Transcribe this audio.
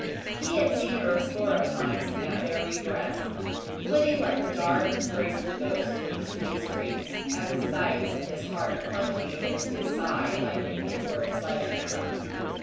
He had seen her a score of times in that very dress, flitting like a dark, graceful ghost through the city streets, and the sight sent his heart plunging against his side like an inward sledge hammer.